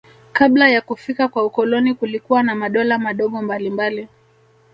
Kabla ya kufika kwa ukoloni kulikuwa na madola madogo mbalimbali